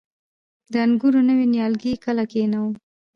د انګورو نوي نیالګي کله کینوم؟